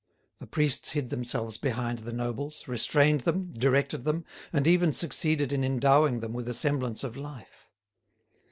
The priests hid themselves behind the nobles, restrained them, directed them, and even succeeded in endowing them with a semblance of life.